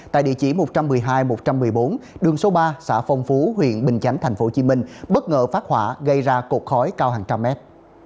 tại địa chỉ một trăm một mươi hai một trăm một mươi bốn đường số ba xã phong phú huyện bình chánh tp hcm bất ngờ phát hỏa gây ra cột khói cao hàng trăm mét